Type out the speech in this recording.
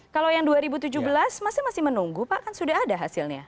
kalau yang dua ribu tujuh belas masih menunggu pak kan sudah ada hasilnya